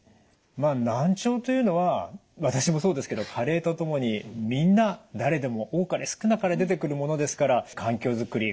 まあ難聴というのは私もそうですけど加齢とともにみんな誰でも多かれ少なかれ出てくるものですから環境づくり